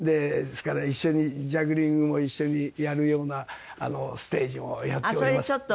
ですからジャグリングを一緒にやるようなステージもやっております。